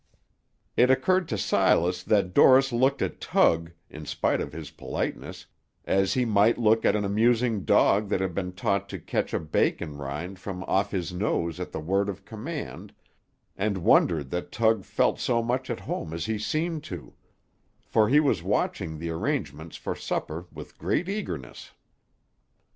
It occurred to Silas that Dorris looked at Tug, in spite of his politeness, as he might look at an amusing dog that had been taught to catch a bacon rind from off his nose at the word of command, and wondered that Tug felt so much at home as he seemed to; for he was watching the arrangements for supper with great eagerness.